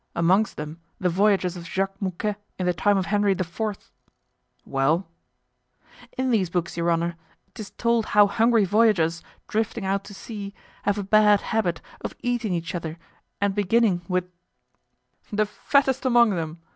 "Amongst them the voyages of Jean Mocquet in the time of Henry IV." "Well?" "In these books, your honor, 'tis told how hungry voyagers, drifting out to sea, have a bad habit of eating each other and beginning with——" "The fattest among them!"